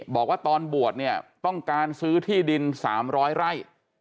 บอกว่าตอนบวชเนี่ยต้องการซื้อที่ดิน๓๐๐ไร่